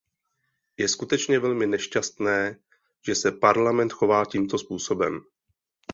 Je skutečně velmi nešťastné, že se Parlament chová tímto způsobem.